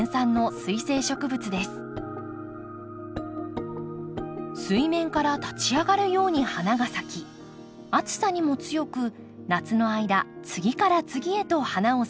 水面から立ち上がるように花が咲き暑さにも強く夏の間次から次へと花を咲かせます。